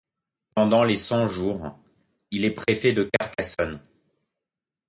Pendant les Cent-Jours il est préfet de Carcassonne.